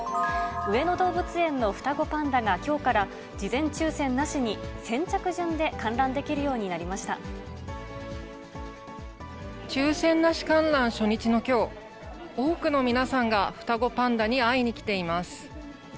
上野動物園の双子パンダがきょうから事前抽せんなしに先着順で観抽せんなし観覧初日のきょう、多くの皆さんが双子パンダに会いに来ています。